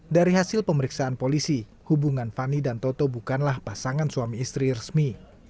dari hasil pemeriksaan polisi hubungan fani dan toto bukanlah pasangan suami istri resmi